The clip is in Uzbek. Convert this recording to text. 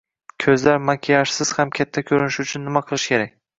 Ko‘zlar makiyajsiz ham katta ko‘rinishi uchun nima qilish kerak?